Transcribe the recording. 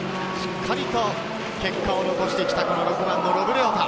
しっかりと結果を残してきたロブ・レオタ。